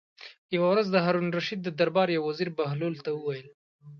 یوه ورځ د هارون الرشید د دربار یو وزیر بهلول ته وویل.